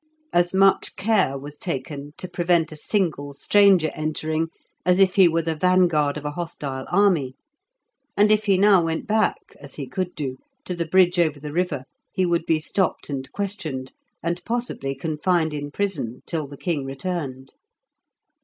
As much care was taken to prevent a single stranger entering as if he were the vanguard of a hostile army, and if he now went back (as he could do) to the bridge over the river, he would be stopped and questioned, and possibly confined in prison till the king returned.